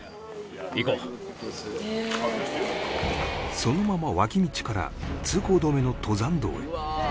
そのまま脇道から通行止めの登山道へ